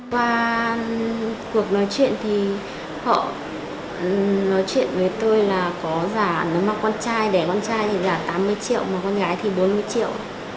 qua cuộc nói chuyện thì họ nói chuyện với tôi là có giả nếu mà con trai đẻ con trai thì giả tám mươi triệu mà con gái thì bốn mươi triệu